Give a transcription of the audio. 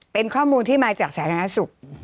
เป็นข้อมูลที่มาจากศาลนักศูนย์